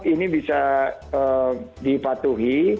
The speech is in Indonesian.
ini bisa dipatuhi